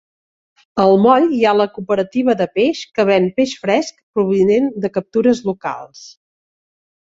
Al moll hi ha la cooperativa de peix que ven peix fresc provinent de captures locals.